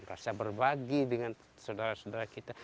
rasa berbagi dengan saudara saudara kita